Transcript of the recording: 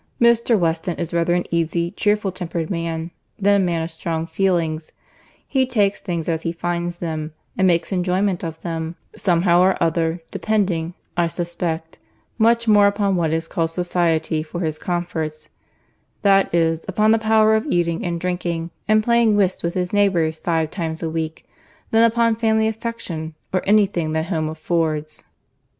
Mr. Weston is rather an easy, cheerful tempered man, than a man of strong feelings; he takes things as he finds them, and makes enjoyment of them somehow or other, depending, I suspect, much more upon what is called society for his comforts, that is, upon the power of eating and drinking, and playing whist with his neighbours five times a week, than upon family affection, or any thing that home affords."